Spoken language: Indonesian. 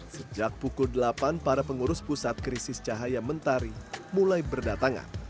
sejak pukul delapan para pengurus pusat krisis cahaya mentari mulai berdatangan